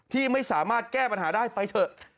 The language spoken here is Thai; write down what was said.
ที่ไม่สามารถแก้ปัญหาได้ไปเถอะ